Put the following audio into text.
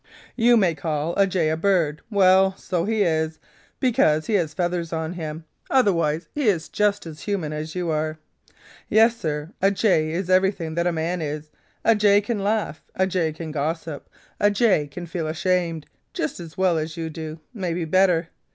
"You may call a jay a bird. Well, so he is, because he has feathers on him. Otherwise, he is just as human as you are. "Yes, sir; a jay is everything that a man is. A jay can laugh, a jay can gossip, a jay can feel ashamed, just as well as you do, maybe better.